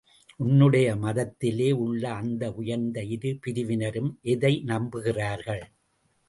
உன்னுடைய மதத்திலே உள்ள அந்த உயர்ந்த இரு பிரிவினரும் எதை நம்புகிறார்கள்?